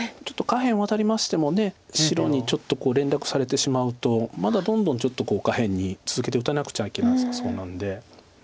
下辺をワタりましても白に連絡されてしまうとまだどんどんちょっと下辺に続けて打たなくちゃいけなさそうなんで。